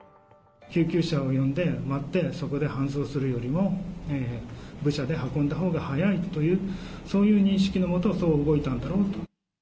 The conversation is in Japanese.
救急車を呼んで、待って、そこで搬送するよりも、部車で運んだほうが早いという、そういう認識の下、そう動いたんだろうと。